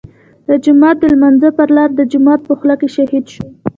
د جماعت د لمانځه پر لار د جومات په خوله کې شهيد شو.